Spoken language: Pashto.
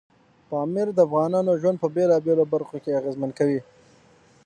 پامیر د افغانانو ژوند په بېلابېلو برخو کې اغېزمن کوي.